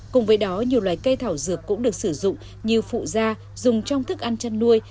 cùng với đó nhiều loài cây thảo dược cũng được sử dụng như phụ da dùng trong thức ăn chăn nuôi